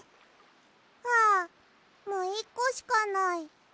あもう１こしかない。